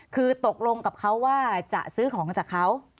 คือตกลงกับเขาว่าจะซื้อของจากเขา